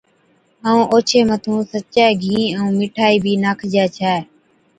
ائُون اوڇي مٿُون سچَي گھِين ائُون مٺائِي بِي ناکجَي ڇَي